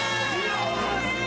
よし！